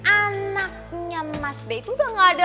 anaknya mas by itu udah gak ada